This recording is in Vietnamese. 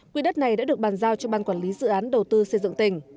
quỹ đất này đã được bàn giao cho ban quản lý dự án đầu tư xây dựng tỉnh